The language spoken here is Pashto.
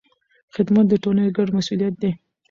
خدمت د ټولنې ګډ مسوولیت دی.